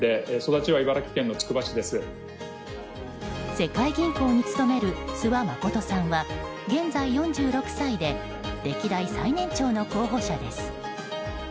世界銀行に勤める諏訪理さんは現在４６歳で歴代最年長の候補者です。